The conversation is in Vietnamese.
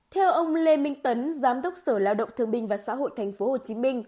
theo ông lê minh tấn giám đốc sở lao động thương binh và xã hội tp hcm